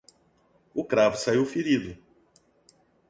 O cravo saiu ferido.